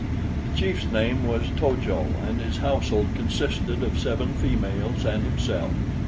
The chief's name was To jo, and his household consisted of seven females and himself.